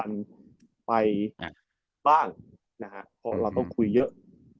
การสัมพันธ์ไปบ้างนะครับเราต้องคุยเยอะ